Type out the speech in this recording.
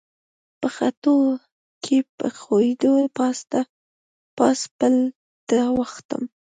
په خټو کې په ښویېدو پاس پل ته وختم.